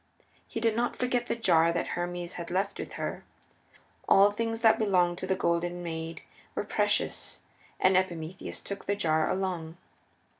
He did not forget the jar that Hermes had left with her. All things that belonged to the Golden Maid were precious, and Epimetheus took the jar along.